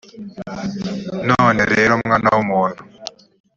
none rero mwana w umuntu